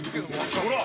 「ほら！」